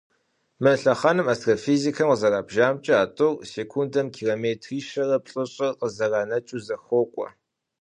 Мы лъэхъэнэм, астрофизикхэм къызэрабжамкIэ, а тIур секундэм километри щэрэ плIыщIыр къызэранэкIыу зэхуокIуэ.